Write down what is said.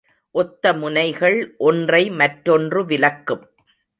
ஒத்த முனைகள் ஒன்றை மற்றொன்று விலக்கும்.